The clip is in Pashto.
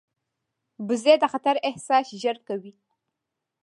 وزې د خطر احساس ژر کوي